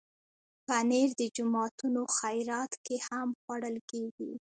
پنېر د جوماتونو خیرات کې هم خوړل کېږي.